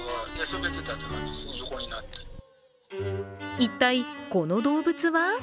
一体、この動物は？